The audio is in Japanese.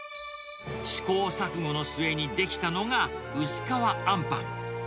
試行錯誤の末に出来たのが、薄皮あんぱん。